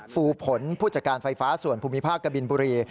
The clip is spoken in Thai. ฟูผลผู้จัดการไฟฟ้าส่วนภูมิภาคกะบินบุรี